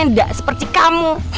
enggak seperti kamu